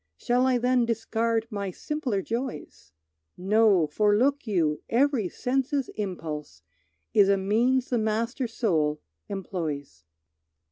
Shall I then discard my simpler joys? No, for look you, every sense's impulse Is a means the master soul employs.